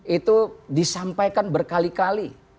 itu disampaikan berkali kali